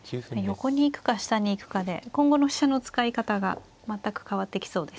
横に行くか下に行くかで今後の飛車の使い方が全く変わってきそうですね。